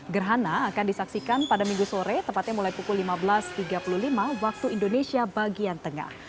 gerhana akan disaksikan pada minggu sore tepatnya mulai pukul lima belas tiga puluh lima waktu indonesia bagian tengah